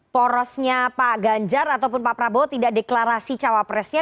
porosnya pak ganjar ataupun pak prabowo tidak deklarasi cawapresnya